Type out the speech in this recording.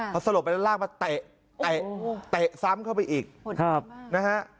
พอสลบไปแล้วลากมาเตะซ้ำเข้าไปอีกนะฮะ